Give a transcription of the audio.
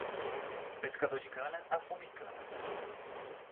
Pescador de cana, a fome engana.